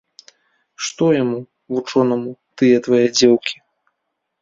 Што яму, вучонаму, тыя твае дзеўкі?